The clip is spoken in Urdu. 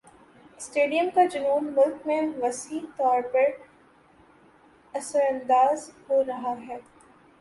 سٹیڈیم کا جنون مُلک میں وسیع طور پر اثرانداز ہو رہا ہے